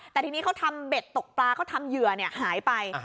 แต่ทีนี้เขาทำเบ็ดตกปลาเขาทำเหยื่อหายไป